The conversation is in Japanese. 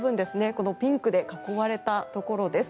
このピンクで囲われたところです。